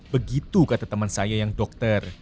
begitu kata teman saya yang dokter